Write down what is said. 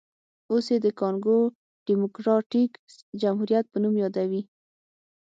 اوس یې د کانګو ډیموکراټیک جمهوریت په نوم یادوي.